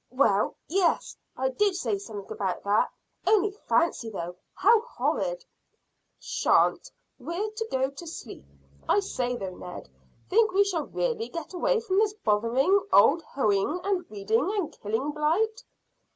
"Well, yes, I did say something about that. Only fancy, though, how horrid!" "Shan't! We're to go to sleep. I say, though, Ned; think we shall really get away from this bothering old hoeing and weeding and killing blight?"